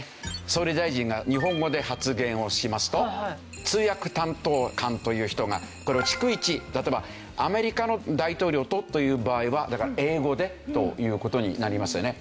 総理大臣が日本語で発言をしますと通訳担当官という人がこれを逐一例えばアメリカの大統領とという場合は英語でという事になりますよね。